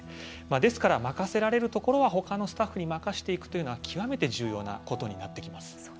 ですから、任せられるところは他のスタッフに任せていくというのは極めて重要なことになってきます。